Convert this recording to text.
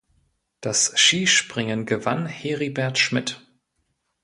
Das Skispringen gewann Heribert Schmid.